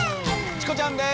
チコちゃんです！